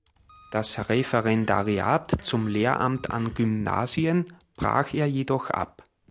Das Referendariat zum Lehramt an Gymnasien brach er jedoch ab.